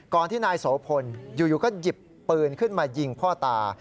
ที่นายโสพลอยู่ก็หยิบปืนขึ้นมายิงพ่อตา